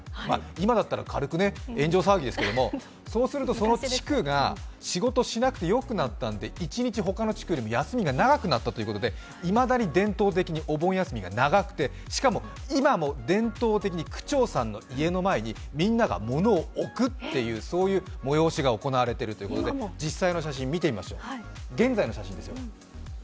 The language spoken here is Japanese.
今だったら軽く炎上騒ぎですけどそうするとその地区が仕事しなくてよくなったんで、一日他の地区より休みが長くなったということでいまだに伝統的にお盆休みが長くて、しかも、今も伝統的に区長さんの家の前にみんなが物を置くというそういう催しが行われているということで、実際の写真を見てみましょう、現在の写真ですよ。